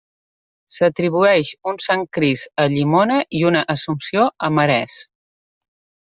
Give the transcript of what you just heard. S'atribueix un Sant Crist a Llimona i una Assumpció a Marès.